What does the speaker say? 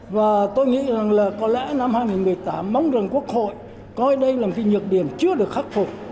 và tôi nghĩ rằng là có lẽ năm hai nghìn một mươi tám mong rằng quốc hội coi đây là một cái nhược điểm chưa được khắc phục